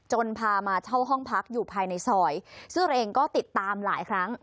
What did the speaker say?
พามาเช่าห้องพักอยู่ภายในซอยซึ่งเองก็ติดตามหลายครั้ง